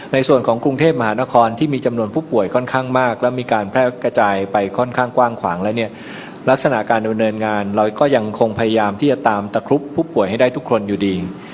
ในส่วนของกรุงเทพมหานครที่มีจำนวนผู้ป่วยค่อนข้างมากแล้วมีการแพร่กระจายไปค่อนข้างกว้างขวางแล้วเนี่ยลักษณะการดำเนินงานเราก็ยังคงพยายามที่จะตามตะครุบผู้ป่วยให้ได้ทุกคนอยู่ดี